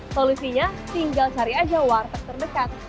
solusinya tinggal cari aja warteg terdekat